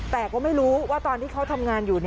แต่ก็ไม่รู้ว่าตอนที่เขาทำงานอยู่